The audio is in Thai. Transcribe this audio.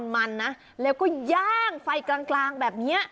มันนะแล้วก็ย่างไฟกลางแบบนี้